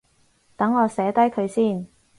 等我寫低佢先